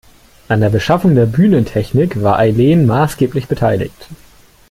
An der Beschaffung der Bühnentechnik war Eileen maßgeblich beteiligt.